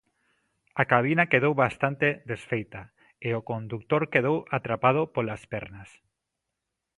A cabina quedou bastante desfeita e o condutor quedou atrapado polas pernas.